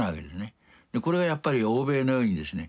これはやっぱり欧米のようにですね